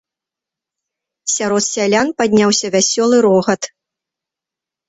Сярод сялян падняўся вясёлы рогат.